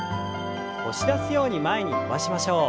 押し出すように前に伸ばしましょう。